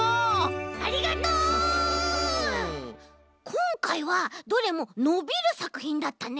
こんかいはどれものびるさくひんだったね。